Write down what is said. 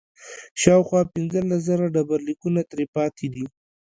شاوخوا پنځلس زره ډبرلیکونه ترې پاتې دي